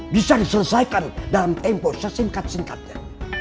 bisa diselesaikan dalam tempo sesingkat singkatnya